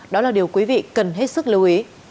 đó là điều quý vị cần hết sức lưu ý